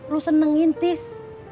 lu senengin tis